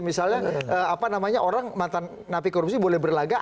misalnya orang mantan napi korupsi boleh berlagak